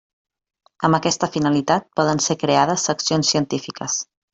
Amb aquesta finalitat, poden ser creades seccions científiques.